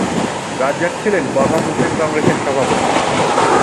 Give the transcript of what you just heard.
রাজ্জাক ছিলেন Burma Muslim কংগ্রেসের সভাপতি।